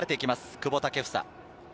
久保建英。